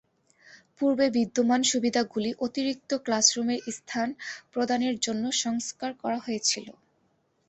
পূর্বে বিদ্যমান সুবিধাগুলি অতিরিক্ত ক্লাসরুমের স্থান প্রদানের জন্য সংস্কার করা হয়েছিল।